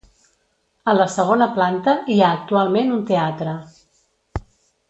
A la segona planta, hi ha actualment un teatre.